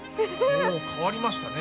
変わりましたね。